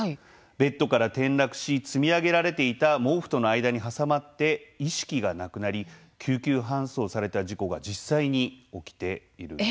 ベッドから転落し積み上げられていた毛布との間に挟まって意識がなくなり救急搬送された事故が実際に起きているんです。